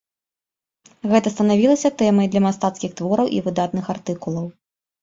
Гэта станавілася тэмай для мастацкіх твораў і выдатных артыкулаў.